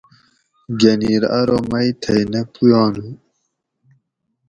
گنیر ارو مئ تھئ نہ پُیانو